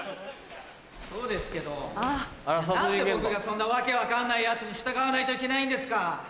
そうですけど何で僕がそんな訳分かんないヤツに従わないといけないんですか！